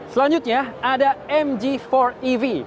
selanjutnya ada mg empat ev